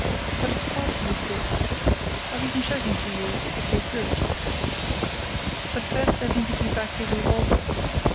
But, of course, he exists. I'll even show him to you, if you're good. But, first, let me give you back your revolver.